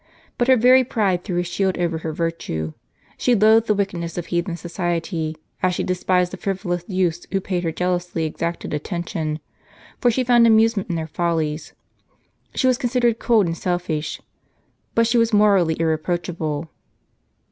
But her very pride threw a shield over her virtue ; she loathed the wickedness of heathen society, as she despised the frivolous Elaborate Seat from Herculaueam. youths who paid her jealously exacted attention, for she found amusement in their follies. She was considered cold and selfish, but she was morally iri eproachable.